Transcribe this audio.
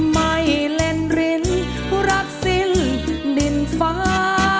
ไม่เล่นรินรักสิ้นดินฟ้า